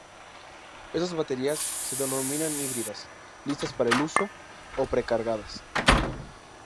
Estas baterías se denominan "híbridas", "listas-para-el-uso" o "pre-cargadas".